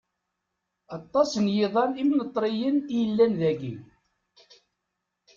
Aṭas n yiḍan imneṭriyen i yellan dagi.